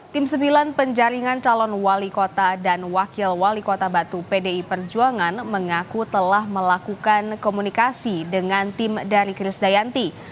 tim sembilan penjaringan calon wali kota dan wakil wali kota batu pdi perjuangan mengaku telah melakukan komunikasi dengan tim dari kris dayanti